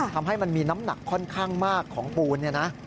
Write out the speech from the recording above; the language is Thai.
ทำให้มันมีน้ำหนักค่อนข้างมากของปูนเนี่ยนะ